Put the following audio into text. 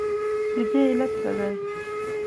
ددې علت څه دی؟